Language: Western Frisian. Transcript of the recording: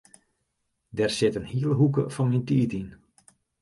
Dêr sit in hiele hoeke fan myn tiid yn.